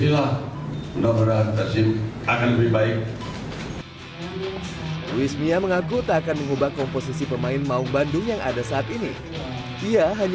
luismia mengaku tak akan mengubah komposisi pemain maung bandung yang ada saat ini ia hanya